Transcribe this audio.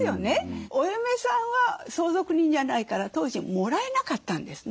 お嫁さんは相続人じゃないから当時もらえなかったんですね。